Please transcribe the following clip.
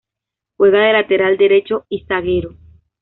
Juega de lateral derecho, y zaguero.